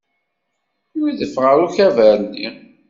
Yudef ɣer ukabar-nni.